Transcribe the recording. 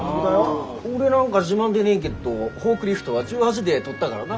俺なんか自慢でねえげっとフォークリフトは１８で取ったがらな。